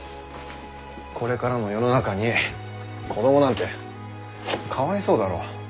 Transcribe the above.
これからの世の中に子どもなんてかわいそうだろ。